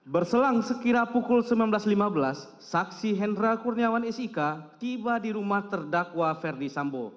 berselang sekira pukul sembilan belas lima belas saksi hendra kurniawan sik tiba di rumah terdakwa ferdi sambo